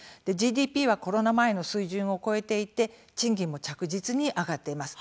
ＧＤＰはコロナ前の水準を超えていて賃金も着実に上がっています。